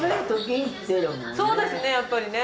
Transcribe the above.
そうですねやっぱりね。